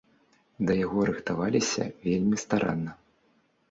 Да яго рыхтаваліся вельмі старанна.